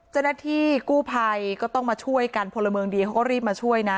เจ้าหน้าที่กู้ภัยก็ต้องมาช่วยกันพลเมืองดีเขาก็รีบมาช่วยนะ